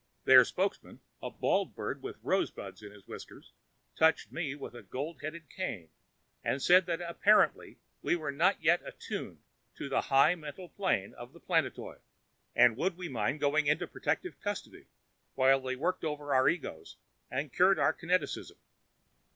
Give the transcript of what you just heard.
Their spokesman, a bald bird with rosebuds in his whiskers, touched me with a gold headed cane and said that apparently we were not yet attuned to the high mental plane of the planetoid, and would we mind going into protective custody while they worked over our egos and cured our kineticism.